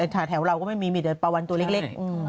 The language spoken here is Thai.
กระแถวเราก็ไม่มีมิดเดินประวันตัวเล็ก